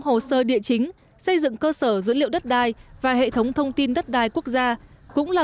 hồ sơ địa chính xây dựng cơ sở dữ liệu đất đai và hệ thống thông tin đất đai quốc gia cũng là